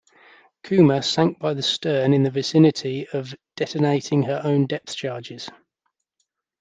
"Kuma" sank by the stern in the vicinity of detonating her own depth charges.